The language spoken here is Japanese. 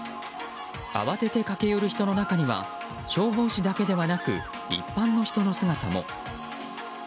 慌てて駆け寄る人の中には消防士だけではなく一般の人の姿も。